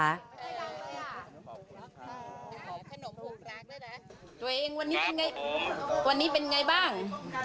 ตัวเองวันนี้เป็นอย่างไรบ้าง